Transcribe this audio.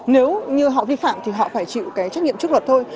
nếu như họ vi phạm thì họ phải chịu cái trách nhiệm trước luật thôi